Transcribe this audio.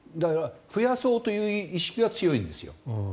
増やそうという意識は強いんですよ。